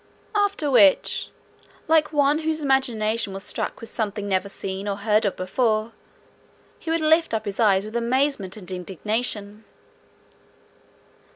After which, like one whose imagination was struck with something never seen or heard of before, he would lift up his eyes with amazement and indignation.